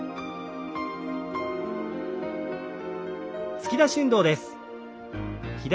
突き出し運動です。